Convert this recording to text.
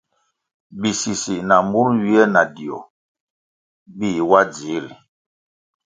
Bisisi na mur nywie na dio bih wa dzihri.